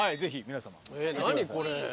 何これ。